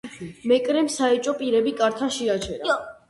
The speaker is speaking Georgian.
მეკრემ საეჭვო პირები კართან შეაჩერა.